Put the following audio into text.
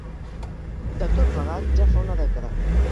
De tot plegat ja fa una dècada.